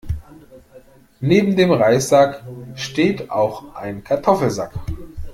Neben dem Reissack steht auch ein Kartoffelsack.